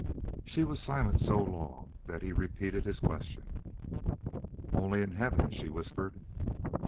She was silent so long that he repeated his question. "Only in heaven," she whispered.